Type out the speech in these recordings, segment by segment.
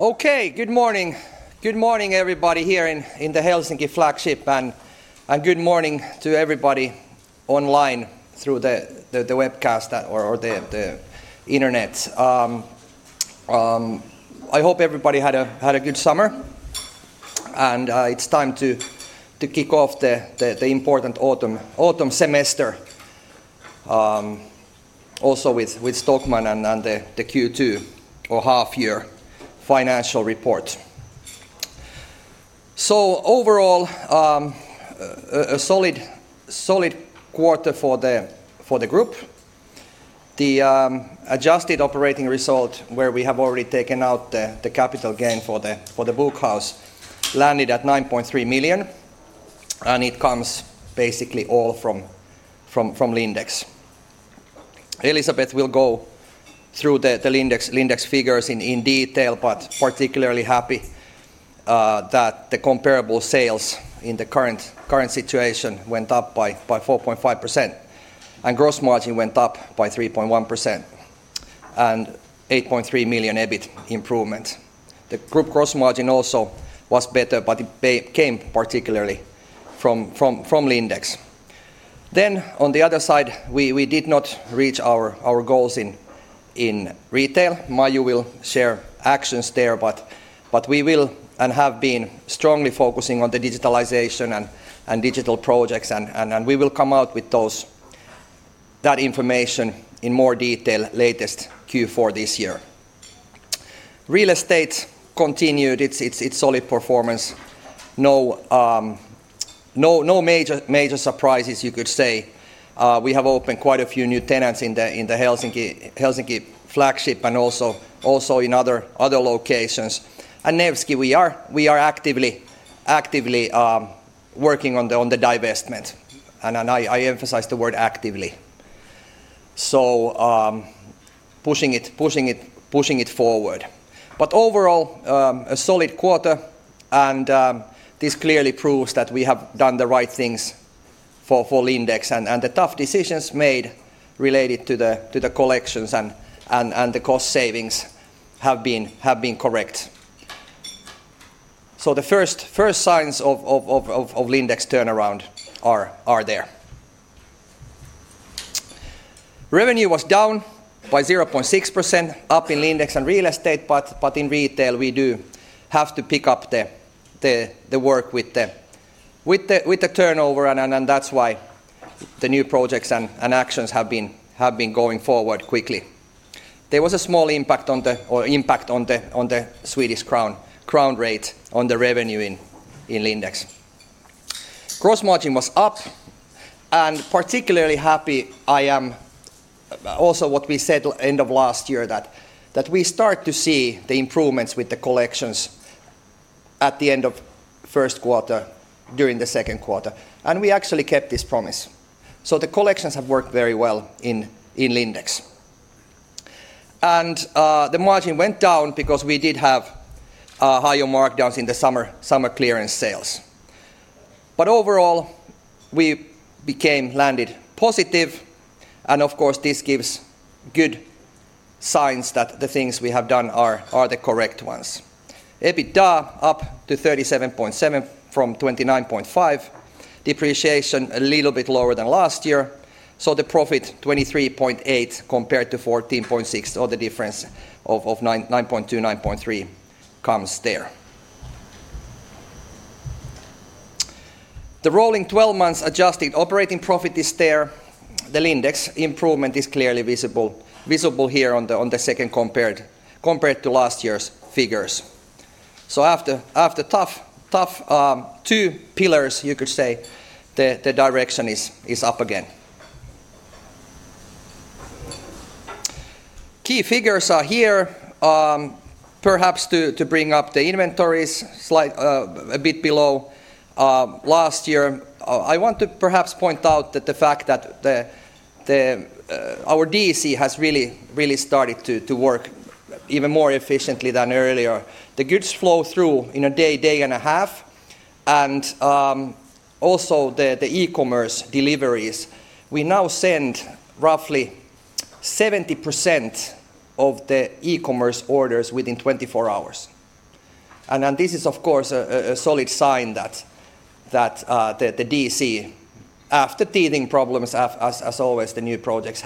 Good morning. Good morning everybody here in the Helsinki flagship and good morning to everybody online through the webcast or the Internet. I hope everybody had a good summer, and it's time to kick off the important autumn semester also with Stockmann and the Q2 or half-year financial report. Overall, a solid quarter for the group. The adjusted operating result, where we have already taken out the capital gain for the Book House, landed at 9.3 million, and it comes basically all from Lindex. Elisabeth will go through the Lindex figures in detail, particularly happy that the comparable sales in the current situation went up by 4.5%, gross margin went up by 3.1%, 8.3 million EBIT improvement. The group gross margin also was better, but it came particularly from Lindex. On the other side, we did not reach our goals in retail. Maiju will share actions there, but we will and have been strongly focusing on the digitalization and digital projects and we will come out with those, that information in more detail latest Q4 this year. Real Estate continued its solid performance. No major surprises you could say. We have opened quite a few new tenants in the Helsinki flagship and also in other locations. Nevsky, we are actively working on the divestment, and I emphasize the word actively. Pushing it forward. Overall, a solid quarter, and this clearly proves that we have done the right things for Lindex, and the tough decisions made related to the collections and the cost savings have been correct. The first signs of Lindex turnaround are there. Revenue was down by 0.6%, up in Lindex and Real Estate, but in Retail we do have to pick up the work with the turnover and that's why the new projects and actions have been going forward quickly. There was a small impact on the Swedish crown rate on the revenue in Lindex. Gross margin was up, particularly happy I am also what we said end of last year that we start to see the improvements with the collections at the end of first quarter, during the second quarter, and we actually kept this promise. The collections have worked very well in Lindex. The margin went down because we did have higher markdowns in the summer clearance sales. Overall, we became landed positive, and of course this gives good signs that the things we have done are the correct ones. EBITDA up to 37.7 from 29.5. Depreciation a little bit lower than last year, the profit 23.8 compared to 14.6, the difference of 9.3 comes there. The rolling 12 months adjusted operating profit is there. The Lindex improvement is clearly visible here on the second compared to last year's figures. After tough two pillars, you could say, the direction is up again. Key figures are here. Perhaps to bring up the inventories, slight, a bit below last year. I want to perhaps point out that the fact that the DC has really started to work even more efficiently than earlier. The goods flow through in a day and a half, also the e-commerce deliveries, we now send roughly 70% of the e-commerce orders within 24 hours. This is of course a solid sign that the DC, after teething problems as always, the new projects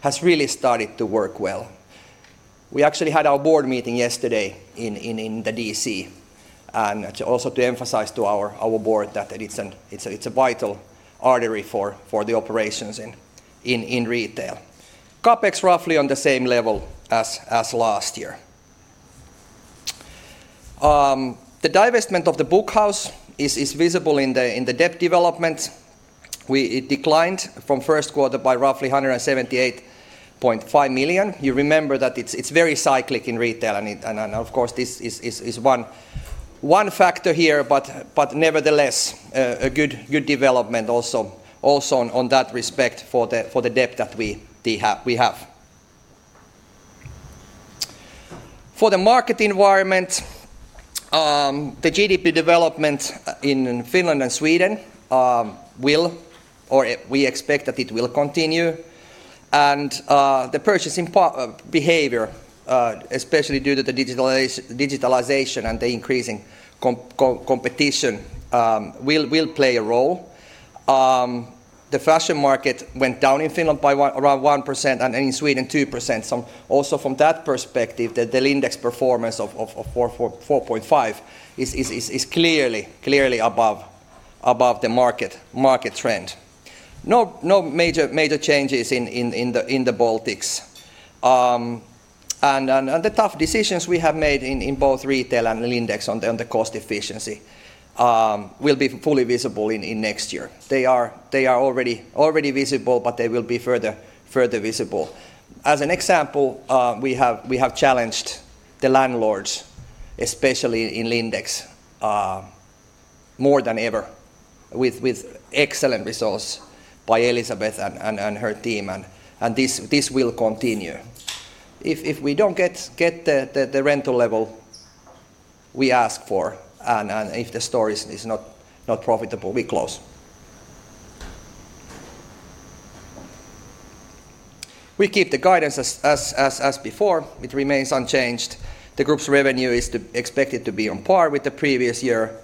has really started to work well. We actually had our board meeting yesterday in the DC, and also to emphasize to our board that it's a vital artery for the operations in retail. CapEx roughly on the same level as last year. The divestment of the Book House is visible in the debt development. It declined from first quarter by roughly 178.5 million. You remember that it's very cyclic in retail and of course this is one factor here, but nevertheless, a good development also on that respect for the debt that we have. For the market environment. The GDP development in Finland and Sweden will, or we expect that it will continue and the purchasing behavior, especially due to the digitalization and the increasing competition, will play a role. The fashion market went down in Finland by around 1% and in Sweden 2%. Also from that perspective, the Lindex performance of 4.5 is clearly above the market trend. No major changes in the Baltics. The tough decisions we have made in both retail and Lindex on the cost efficiency will be fully visible in next year. They are already visible, but they will be further visible. As an example, we have challenged the landlords, especially in Lindex, more than ever with excellent results by Elisabeth and her team and this will continue. If we don't get the rental level we ask for and if the store is not profitable, we close. We keep the guidance as before, it remains unchanged. The group's revenue is expected to be on par with the previous year,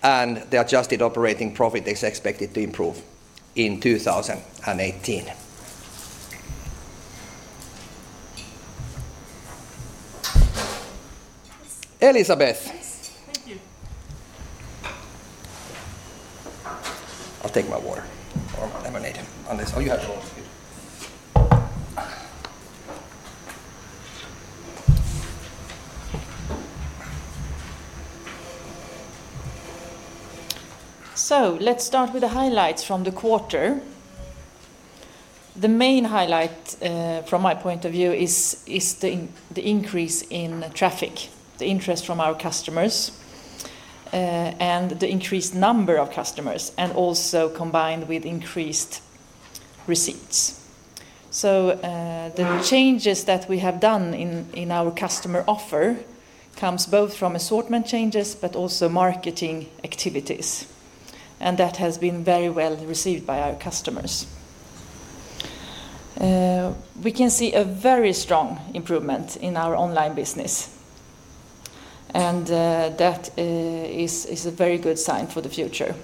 and the adjusted operating profit is expected to improve in 2018. Elisabeth. Yes. Thank you. I'll take my water or my lemonade on this. Oh, you have it all here. Let's start with the highlights from the quarter. The main highlight from my point of view is the increase in traffic, the interest from our customers, and the increased number of customers, and also combined with increased receipts. The changes that we have done in our customer offer comes both from assortment changes but also marketing activities, and that has been very well received by our customers. We can see a very strong improvement in our online business, and that is a very good sign for the future.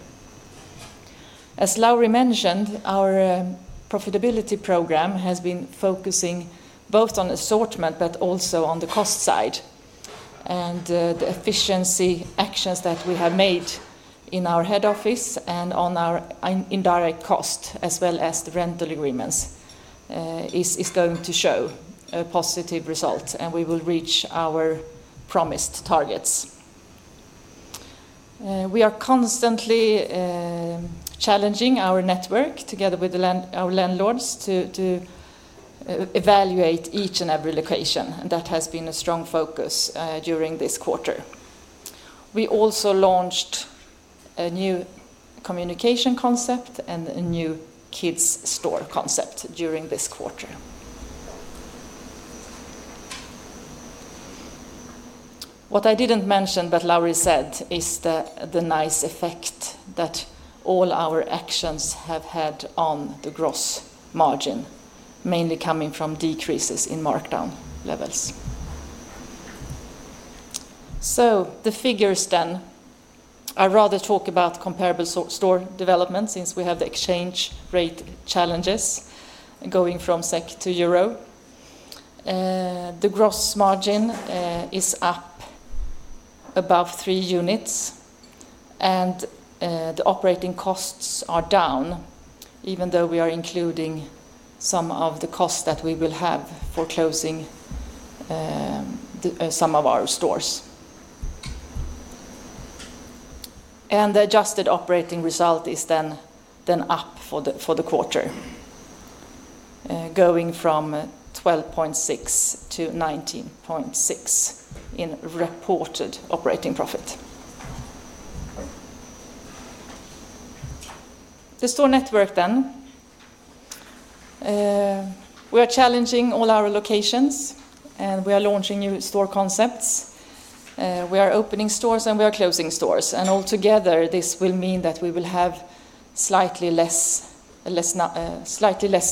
As Lauri mentioned, our profitability program has been focusing both on assortment but also on the cost side and the efficiency actions that we have made in our head office and on our indirect cost as well as the rental agreements is going to show a positive result, and we will reach our promised targets. We are constantly challenging our network together with our landlords to evaluate each and every location, and that has been a strong focus during this quarter. We also launched a new communication concept and a new kids' store concept during this quarter. What I didn't mention but Lauri said is the nice effect that all our actions have had on the gross margin, mainly coming from decreases in markdown levels. The figures then. I'd rather talk about comparable store development since we have the exchange rate challenges going from SEK to EUR. The gross margin is up above three units, and the operating costs are down even though we are including some of the costs that we will have for closing the some of our stores. The adjusted operating result is then up for the quarter, going from 12.6 to 19.6 in reported operating profit. The store network then. We are challenging all our locations, and we are launching new store concepts. We are opening stores, and we are closing stores. Altogether, this will mean that we will have slightly less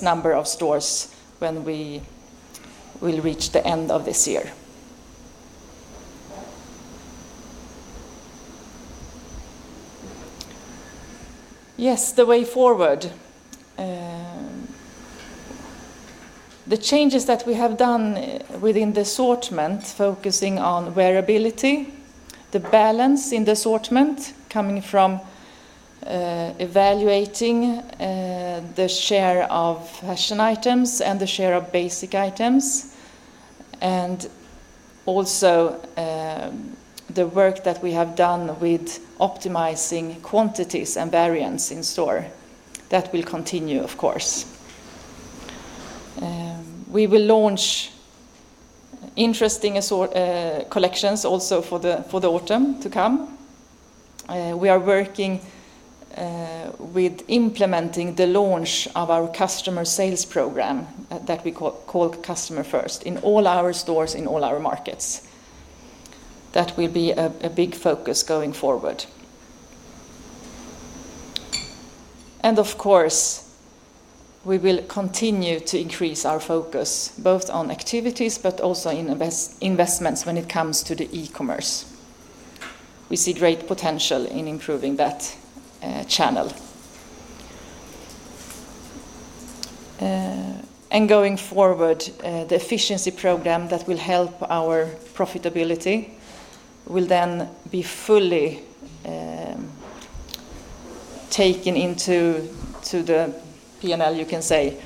number of stores when we will reach the end of this year. Yes, the way forward. The changes that we have done within the assortment focusing on wearability, the balance in the assortment coming from evaluating the share of fashion items and the share of basic items and also the work that we have done with optimizing quantities and variants in store, that will continue, of course. We will launch interesting collections also for the autumn to come. We are working with implementing the launch of our customer sales program that we call Customer First in all our stores, in all our markets. That will be a big focus going forward. Of course, we will continue to increase our focus both on activities but also in investments when it comes to the e-commerce. We see great potential in improving that channel. Going forward, the efficiency program that will help our profitability will then be fully taken into the P&L, you can say,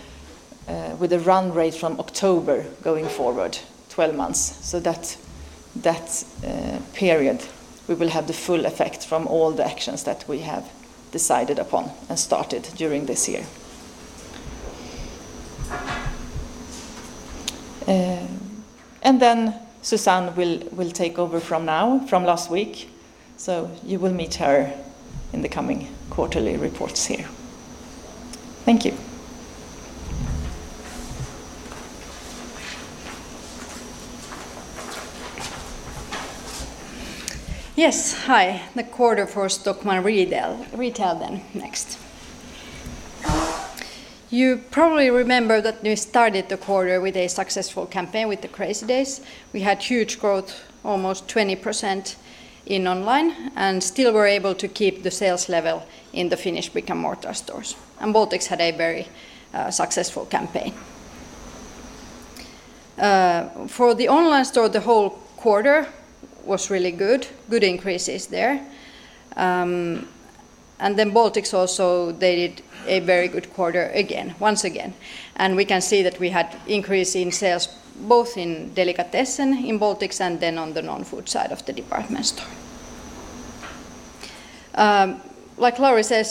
with a run rate from October going forward 12 months. That period we will have the full effect from all the actions that we have decided upon and started during this year. Susanne will take over from now from last week, so you will meet her in the coming quarterly reports here. Thank you. Yes. Hi. The quarter for Stockmann Retail next. You probably remember that we started the quarter with a successful campaign with the Crazy Days. We had huge growth, almost 20% in online, and still were able to keep the sales level in the Finnish brick-and-mortar stores. Baltics had a very successful campaign. For the online store, the whole quarter was really good increases there. Baltics also, they did a very good quarter again, once again. We can see that we had increase in sales both in delicatessen in Baltics and then on the non-food side of the department store. Like Lauri said,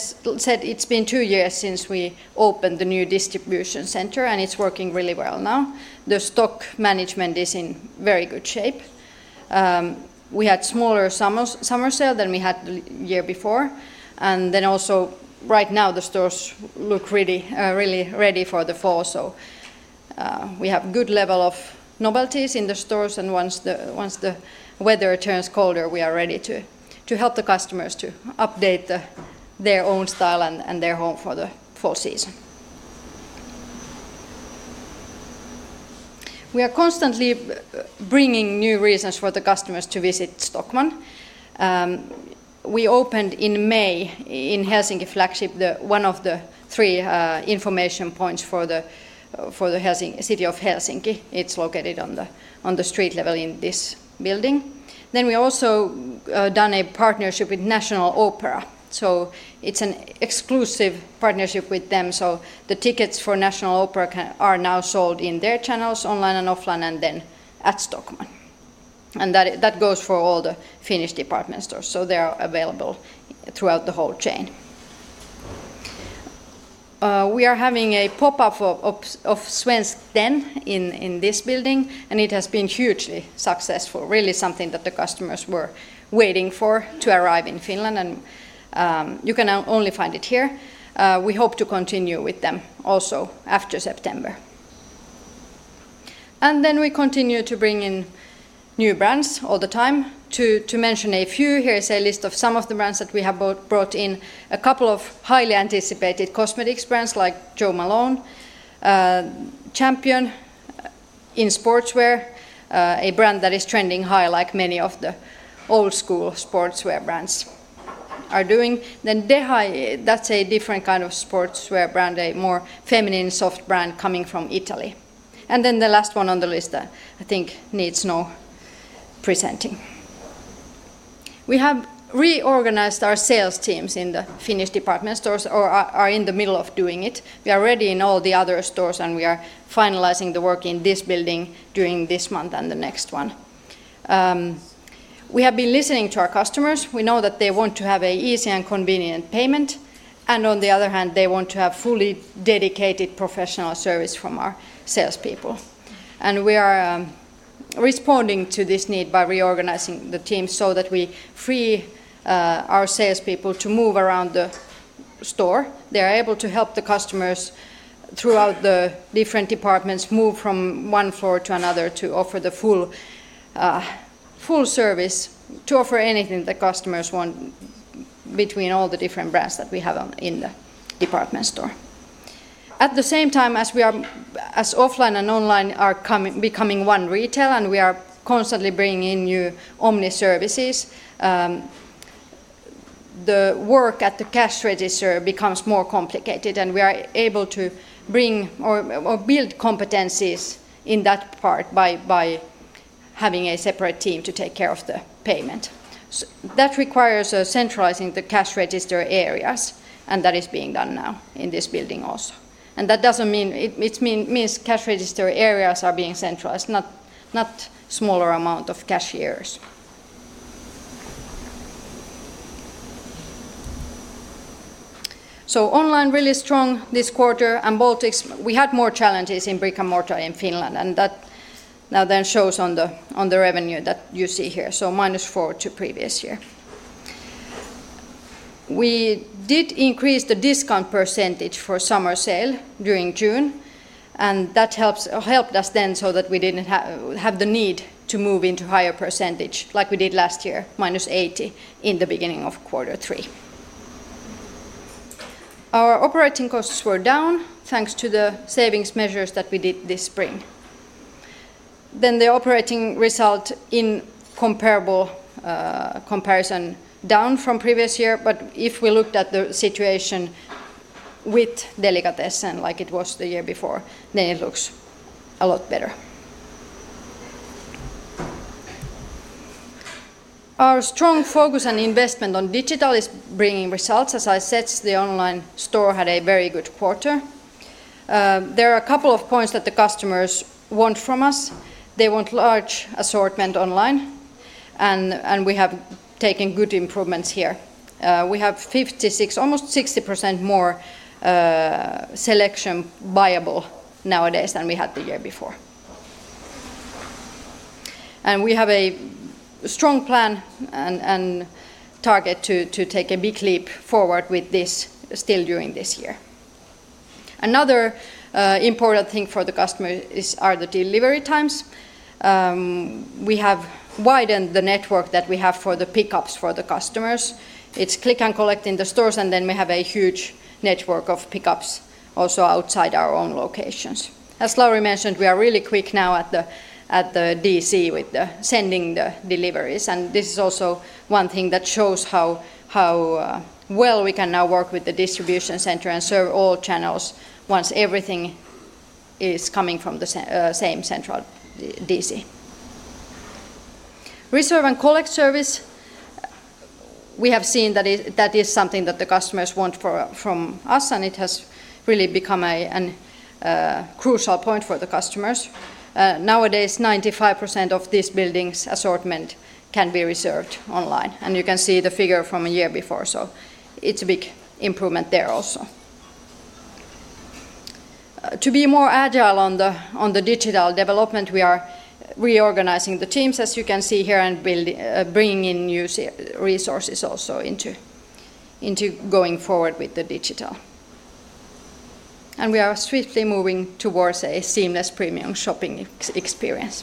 it's been two years since we opened the new distribution center, and it's working really well now. The stock management is in very good shape. We had smaller summer sale than we had year before. Also right now the stores look really ready for the fall. We have good level of novelties in the stores, and once the weather turns colder, we are ready to help the customers to update their own style and their home for the fall season. We are constantly bringing new reasons for the customers to visit Stockmann. We opened in May in Helsinki flagship the one of the three information points for the city of Helsinki. It's located on the street level in this building. We also done a partnership with National Opera, so it's an exclusive partnership with them. The tickets for National Opera are now sold in their channels online and offline, and then at Stockmann. That, that goes for all the Finnish department stores, so they are available throughout the whole chain. We are having a pop-up of Svenskt Tenn in this building, and it has been hugely successful, really something that the customers were waiting for to arrive in Finland and you can now only find it here. We hope to continue with them also after September. We continue to bring in new brands all the time to mention a few, here is a list of some of the brands that we have brought in, a couple of highly anticipated cosmetics brands like Jo Malone, Champion in sportswear, a brand that is trending high like many of the old school sportswear brands are doing. Deha, that's a different kind of sportswear brand, a more feminine soft brand coming from Italy. The last one on the list, I think needs no presenting. We have reorganized our sales teams in the Finnish department stores or are in the middle of doing it. We are ready in all the other stores, and we are finalizing the work in this building during this month and the next one. We have been listening to our customers. We know that they want to have a easy and convenient payment, and on the other hand, they want to have fully dedicated professional service from our salespeople. We are responding to this need by reorganizing the team so that we free our salespeople to move around the store. They are able to help the customers throughout the different departments move from one floor to another to offer the full full service to offer anything the customers want between all the different brands that we have in the department store. At the same time, as offline and online are becoming one retail, and we are constantly bringing in new omni services, the work at the cash register becomes more complicated, and we are able to bring or build competencies in that part by having a separate team to take care of the payment. That requires centralizing the cash register areas. That is being done now in this building also. That doesn't mean it means cash register areas are being centralized, not smaller amount of cashiers. Online really strong this quarter and Baltics, we had more challenges in brick and mortar in Finland. That now then shows on the revenue that you see here. Minus 4% to previous year. We did increase the discount percentage for summer sale during June, that helps or helped us then so that we didn't have the need to move into higher percentage like we did last year, minus 80% in the beginning of quarter three. The operating result in comparable comparison down from previous year. If we looked at the situation with delicatessen like it was the year before, it looks a lot better. Our strong focus and investment on digital is bringing results. As I said, the online store had a very good quarter. There are a couple of points that the customers want from us. They want large assortment online and we have taken good improvements here. We have 56%, almost 60% more selection buyable nowadays than we had the year before. We have a strong plan and target to take a big leap forward with this still during this year. Another important thing for the customer are the delivery times. We have widened the network that we have for the pickups for the customers. It's click and collect in the stores, and then we have a huge network of pickups also outside our own locations. As Lauri mentioned, we are really quick now at the DC with the sending the deliveries, and this is also one thing that shows how well we can now work with the distribution center and serve all channels once everything is coming from the same central DC. Reserve and collect service, we have seen that is something that the customers want for, from us, and it has really become a, an crucial point for the customers. Nowadays 95% of this building's assortment can be reserved online, and you can see the figure from a year before. It's a big improvement there also. To be more agile on the, on the digital development, we are reorganizing the teams, as you can see here, and bringing in new resources also into going forward with the digital. We are swiftly moving towards a seamless premium shopping experience.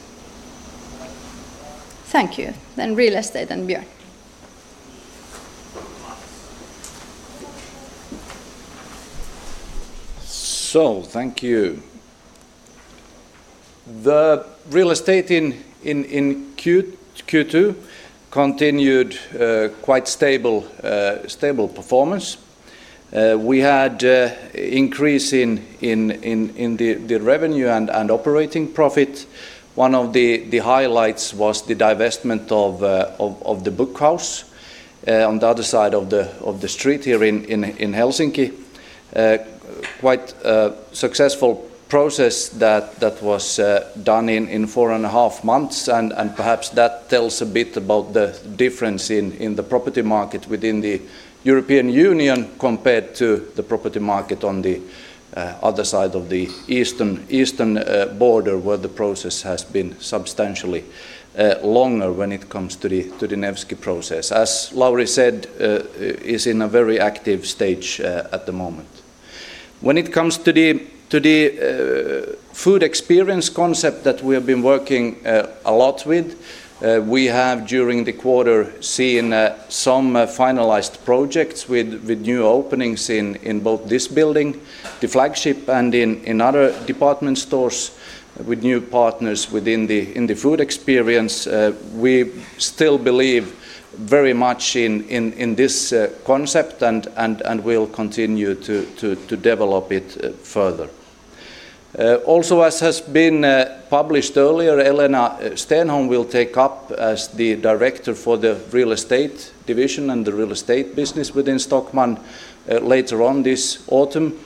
Thank you. Real estate and Björn. Thank you. The real estate in Q2 continued quite stable performance. We had increase in the revenue and operating profit. One of the highlights was the divestment of the book house on the other side of the street here in Helsinki. Quite successful process that was done in four and a half months. Perhaps that tells a bit about the difference in the property market within the European Union compared to the property market on the other side of the eastern border, where the process has been substantially longer when it comes to the Nevsky process. As Lauri said, is in a very active stage at the moment. When it comes to the food experience concept that we have been working a lot with, we have during the quarter seen some finalized projects with new openings in both this building, the flagship and in other department stores with new partners within the food experience. We still believe very much in this concept and will continue to develop it further. Also as has been published earlier, Elena Stenholm will take up as the director for the real estate division and the real estate business within Stockmann later on this autumn.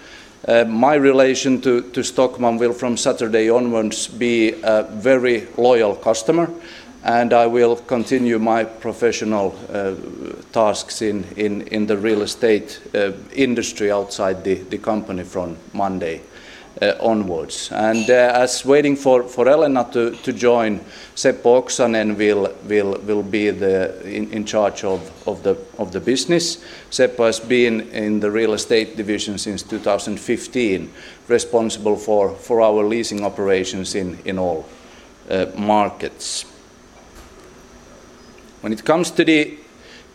My relation to Stockmann will from Saturday onwards be a very loyal customer. I will continue my professional tasks in the real estate industry outside the company from Monday onwards. As waiting for Elena Stenholm to join, Seppo Oksanen will be in charge of the business. Seppo has been in the real estate division since 2015, responsible for our leasing operations in all markets. When it comes to the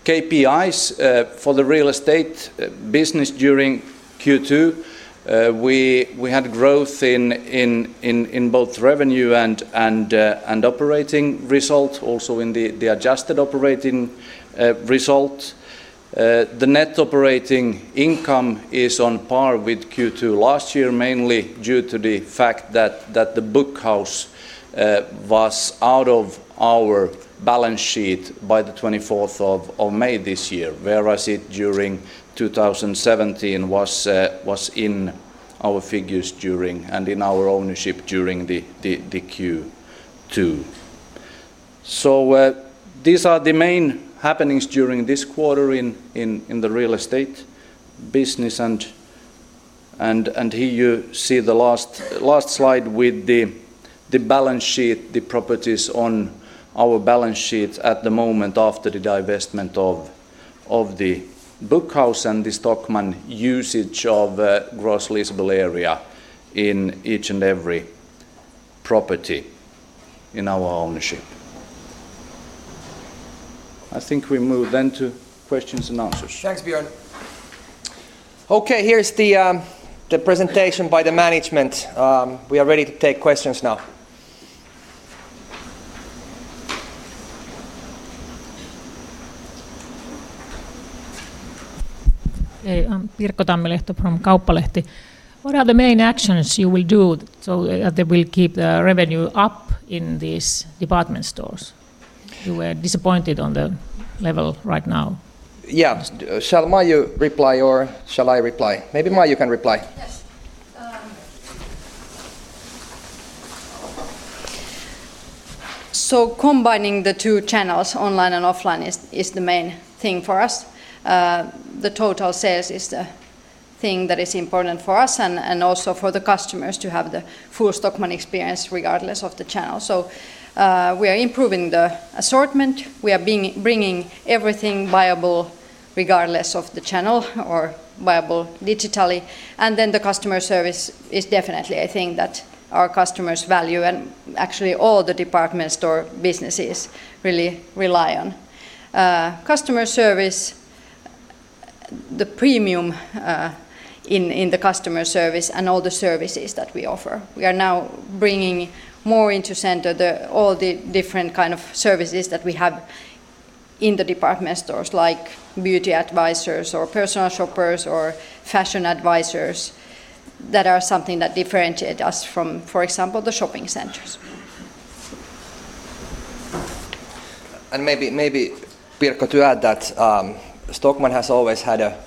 KPIs for the real estate business during Q2, we had growth in both revenue and operating result, also in the adjusted operating result. The net operating income is on par with Q2 last year, mainly due to the fact that the book house was out of our balance sheet by the 24th of May this year, whereas it during 2017 was in our figures during, and in our ownership during the Q2. These are the main happenings during this quarter in the real estate business. Here you see the last slide with the balance sheet, the properties on our balance sheet at the moment after the divestment of the Book House and the Stockmann usage of gross leasable area in each and every property in our ownership. I think we move then to questions and answers. Thanks, Björn. Okay, here is the presentation by the management. We are ready to take questions now. Hey, I'm Pirkko Tammilehto from Kauppalehti. What are the main actions you will do so that will keep the revenue up in this department stores? You were disappointed on the level right now. Yeah. Shall Maiju reply or shall I reply? Maybe Maiju can reply. Yes. So combining the two channels, online and offline, is the main thing for us. The total sales is the thing that is important for us and also for the customers to have the full Stockmann experience regardless of the channel. We are improving the assortment. We are bringing everything viable regardless of the channel or viable digitally. The customer service is definitely a thing that our customers value, and actually all the department store businesses really rely on. Customer service, the premium, in the customer service and all the services that we offer. We are now bringing more into center the all the different kind of services that we have in the department stores like beauty advisors or personal shoppers or fashion advisors that are something that differentiate us from, for example, the shopping centers. Maybe Pirkko to add that, Stockmann has always had a,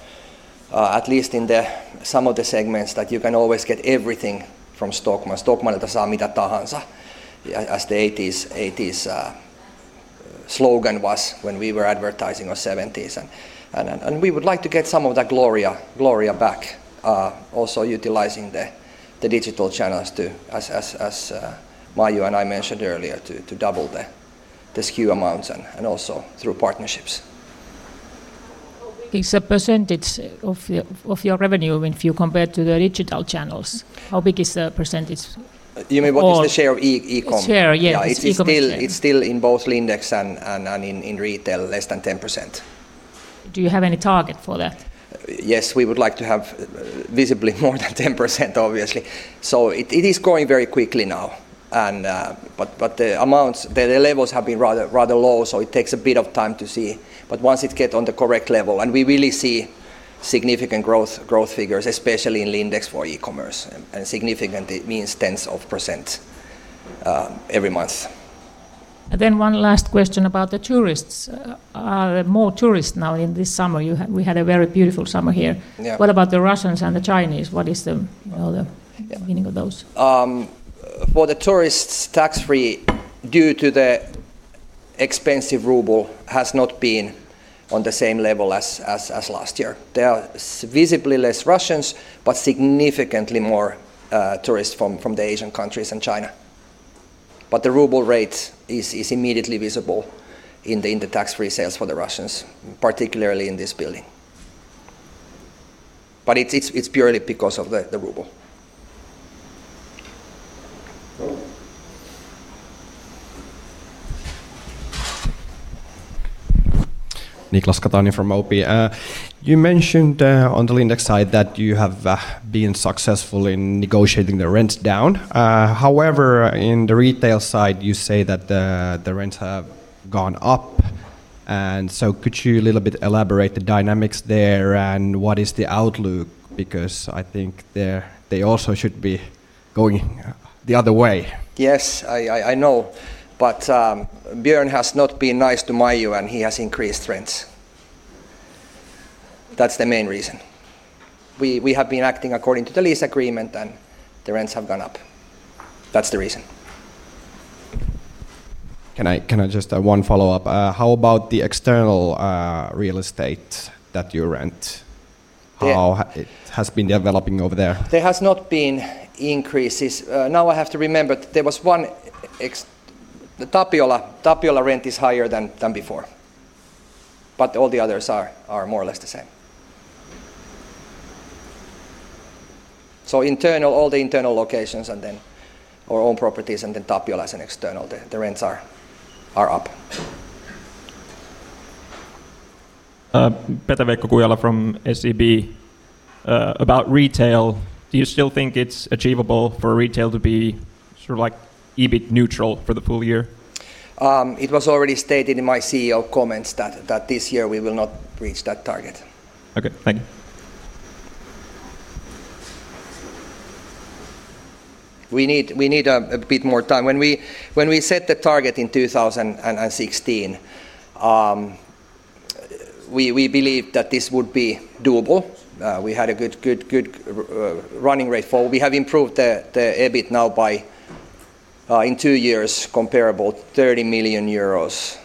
at least in the some of the segments, that you can always get everything from Stockmann. Stockmann "You can get anything" as the '80s slogan was when we were advertising or '70s. We would like to get some of that gloria back, also utilizing the digital channels to, as Maiju and I mentioned earlier to double the SKU amounts and also through partnerships. It's a percentage of your, of your revenue when you compare to the digital channels. How big is the percentage? You mean what is the share of e-com? Share, yes. E-commerce, yeah. Yeah, it's still in both Lindex and in retail, less than 10%. Do you have any target for that? Yes, we would like to have visibly more than 10%, obviously. It is growing very quickly now, and, but the amounts, the levels have been rather low, so it takes a bit of time to see. Once it get on the correct level, and we really see significant growth figures, especially in Lindex for e-commerce, and significant it means tens of percent every month. One last question about the tourists. Are more tourists now in this summer? We had a very beautiful summer here. Yeah. What about the Russians and the Chinese? What is the, well, the meaning of those? For the tourists, tax-free, due to the expensive ruble, has not been on the same level as last year. There are visibly less Russians, but significantly more tourists from the Asian countries and China. The ruble rate is immediately visible in the tax-free sales for the Russians, particularly in this building. It's purely because of the ruble. Niclas Catani from OP. You mentioned on the Lindex side that you have been successful in negotiating the rents down. However, in the retail side, you say that the rents have gone up. Could you a little bit elaborate the dynamics there and what is the outlook? Because I think they also should be going the other way. Yes, I know. Björn has not been nice to Maiju, and he has increased rents. That's the main reason. We have been acting according to the lease agreement, and the rents have gone up. That's the reason. Can I just, one follow-up? How about the external, real estate that you rent? Yeah. How it has been developing over there? There has not been increases. Now I have to remember, there was one the Tapiola. Tapiola rent is higher than before, but all the others are more or less the same. Internal, all the internal locations and then our own properties and then Tapiola as an external, the rents are up. Petri Kujala from SEB. About retail, do you still think it's achievable for retail to be sort of like EBIT neutral for the full year? It was already stated in my CEO comments that this year we will not reach that target. Okay. Thank you. We need a bit more time. When we set the target in 2016, we believed that this would be doable. We had a good running rate for. We have improved the EBIT now by in two years comparable 30 million euros,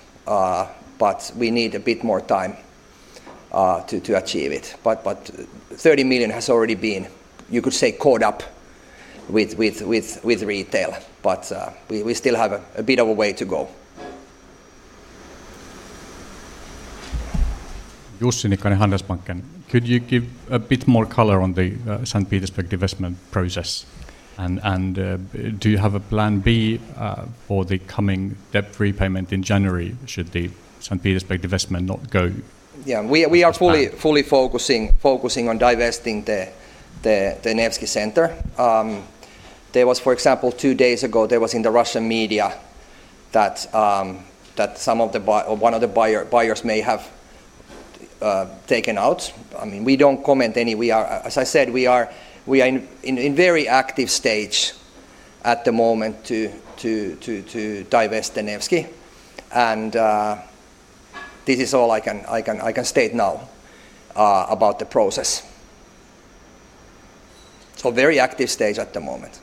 but we need a bit more time to achieve it. 30 million has already been, you could say, caught up with retail, but we still have a bit of a way to go. Could you give a bit more color on the St. Petersburg divestment process? Do you have a plan B for the coming debt repayment in January should the St. Petersburg divestment not go as planned? Yeah. We are fully focusing on divesting the Nevsky Centre. There was, for example, two days ago, there was in the Russian media that one of the buyers may have taken out. I mean, we don't comment any... We are, as I said, we are in very active stage at the moment to divest the Nevsky, this is all I can state now about the process. Very active stage at the moment.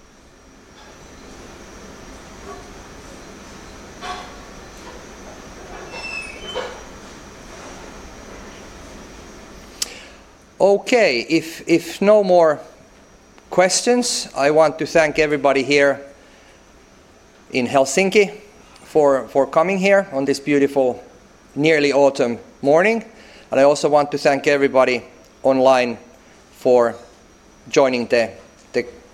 Okay. If no more questions, I want to thank everybody here in Helsinki for coming here on this beautiful nearly autumn morning, I also want to thank everybody online for joining the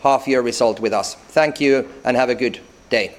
half year result with us. Thank you, have a good day.